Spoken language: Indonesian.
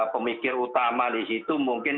pemikir utama di situ mungkin